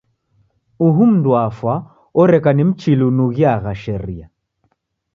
Uhu mndu wafwa oreka ni Mchili unughiagha sharia.